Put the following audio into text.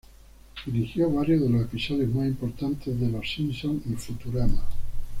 Dirigió varios de los episodios más importantes de "Los Simpson" y "Futurama".